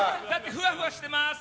ふわふわしてます！